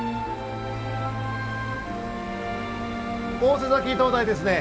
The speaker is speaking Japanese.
大瀬埼灯台ですね。